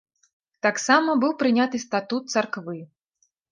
Таксама быў прыняты статут царквы.